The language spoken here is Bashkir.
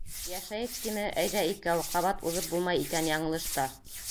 Йәшәйек, тиме, әйҙә икәү, Ҡабат уҙып булмай икән яңылыш та.